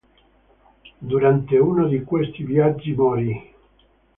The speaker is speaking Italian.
Durante uno di questi viaggi morì.